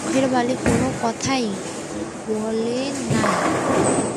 চোখের বালি কোনো কথাই বলে নাই।